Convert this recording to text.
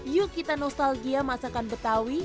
yuk kita nostalgia masakan betawi